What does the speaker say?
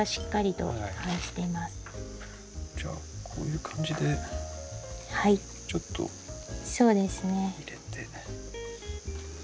じゃあこういう感じでちょっと入れて。